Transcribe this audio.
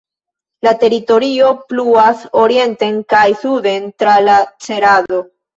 La teritorio pluas orienten kaj suden tra la Cerado.